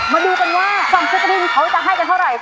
มาดูกันว่า๒สิบกระดิ่งเขาจะให้กันเท่าไหร่